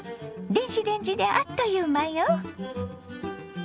電子レンジであっという間よ。